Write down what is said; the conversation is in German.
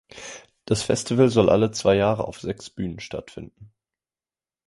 Das Festival soll alle zwei Jahre auf sechs Bühnen stattfinden.